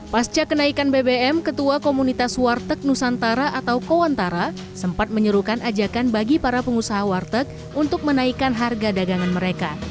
pasca kenaikan bbm ketua komunitas warteg nusantara atau kowantara sempat menyerukan ajakan bagi para pengusaha warteg untuk menaikkan harga dagangan mereka